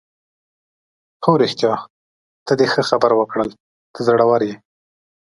هو رښتیا، ته دې ښه خبره وکړل، ته زړوره یې.